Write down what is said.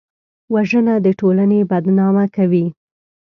وژنه د ټولنې بدنامه کوي